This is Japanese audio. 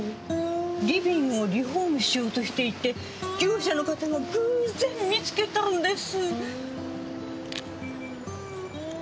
リビングをリフォームしようとしていて業者の方が偶然見つけたんです。